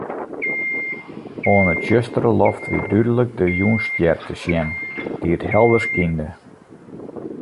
Oan 'e tsjustere loft wie dúdlik de Jûnsstjer te sjen, dy't helder skynde.